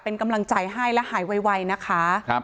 เป็นกำลังใจให้และหายไวนะคะ